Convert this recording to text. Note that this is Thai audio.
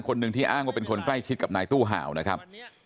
คนหนึ่งที่อ้างว่าเป็นคนใกล้ชิดกับนายตู้ห่าวนะครับ